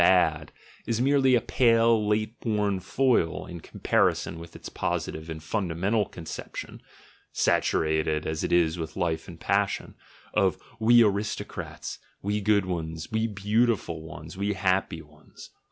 "bad," is merely a pale late born foil in comparison with its positive and fundamental conception (saturated as it is with life and passion), of "we aristocrats, we good ones, we beautiful ones, we happy ones."